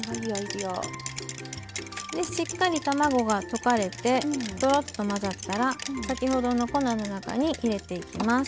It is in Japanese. しっかり卵がとかれてとろっと混ざったら先ほどの粉の中に入れていきます。